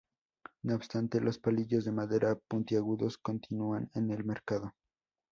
No obstante, los palillos de madera puntiagudos continúan en el mercado.